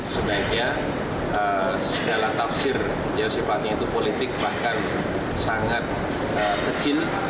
sebaiknya segala tafsir yang sifatnya itu politik bahkan sangat kecil